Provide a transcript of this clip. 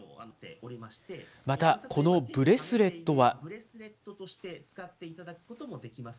また、このブレスレットは。